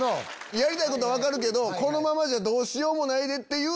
やりたいことは分かるけどこのままじゃどうしようもない。